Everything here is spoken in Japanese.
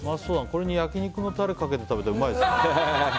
これに焼き肉のタレかけて食べたらうまいですよね。